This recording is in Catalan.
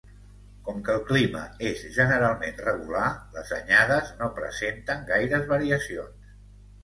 Com que el clima és generalment regular, les anyades no presenten gaires variacions.